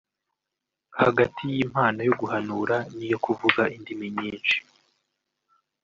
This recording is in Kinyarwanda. Hagati y’impano yo guhanura n’iyo kuvuga indimi nyinshi